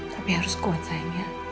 tapi harus kuat sayang ya